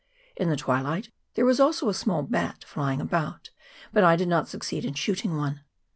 In the twilight there was also a small bat flying about, but I did not succeed in shooting one.